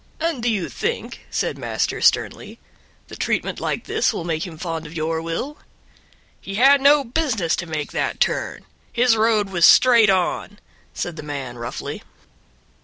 "And do you think," said master sternly, "that treatment like this will make him fond of your will?" "He had no business to make that turn; his road was straight on!" said the man roughly.